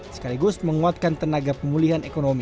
sekaligus menguatkan tenaga pemulihan ekonomi